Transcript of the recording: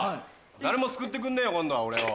誰も救ってくんねえよ今度は俺を。